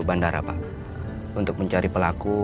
bandara pak untuk mencari pelaku